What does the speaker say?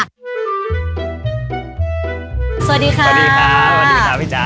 สวัสดีค่ะสวัสดีครับสวัสดีค่ะพี่จ๋า